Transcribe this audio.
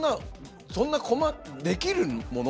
そんな細かくできるもの？